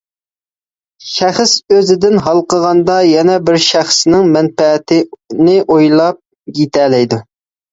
شەخس ئۆزىدىن ھالقىغاندا يەنە بىر شەخسنىڭ مەنپەئەتىنى ئويلاپ يىتەلەيدۇ.